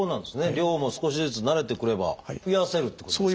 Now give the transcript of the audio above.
量も少しずつ慣れてくれば増やせるっていうことですか？